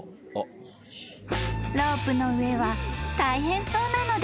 ［ロープの上は大変そうなので］